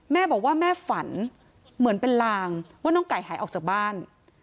แม่บอกว่าแม่ฝันเหมือนเป็นลางว่าน้องไก่หายออกจากบ้าน